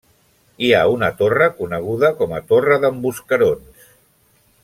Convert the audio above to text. Hi ha una torre coneguda com a Torre d'en Bosquerons.